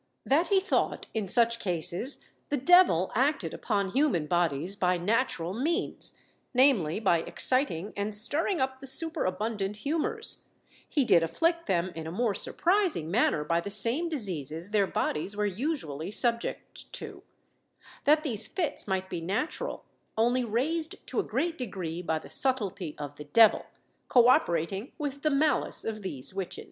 That he thought, in such cases, the devil acted upon human bodies by natural means, namely, by exciting and stirring up the superabundant humours; he did afflict them in a more surprising manner by the same diseases their bodies were usually subject to; that these fits might be natural, only raised to a great degree by the subtlety of the devil, co operating with the malice of these witches.